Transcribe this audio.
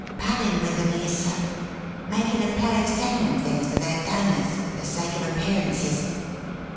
"Pallin' with 'em, he is, sir. Makin' a play of sellin' 'em things for their donahs for the sake of appearances.